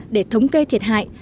để thống kê thiệt hại